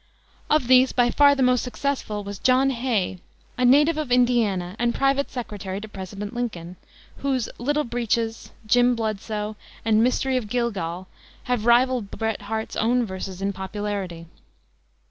Of these by far the most successful was John Hay, a native of Indiana and private secretary to President Lincoln, whose Little Breeches, Jim Bludso, and Mystery of Gilgal have rivaled Bret Harte's own verses in popularity.